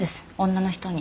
女の人に。